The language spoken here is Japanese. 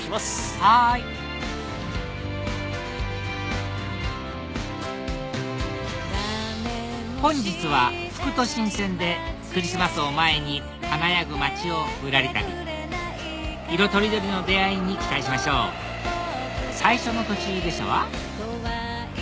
はい本日は副都心線でクリスマスを前に華やぐ街をぶらり旅色取り取りの出会いに期待しましょう最初の途中下車は？